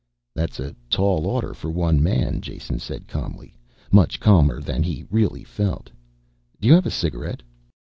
"That's a tall order for one man," Jason said calmly much calmer than he really felt. "Do you have a cigarette?"